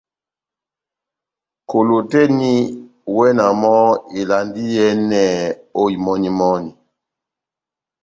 Kolo tɛ́h eni, iwɛ na mɔ́ ivalandi iyɛ́nɛ ó imɔni-imɔni.